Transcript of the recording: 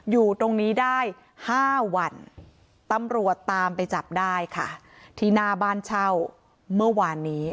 อยู่ตรงนี้ได้๕วันตำรวจตามไปจับได้ค่ะที่หน้าบ้านเช่าเมื่อวานนี้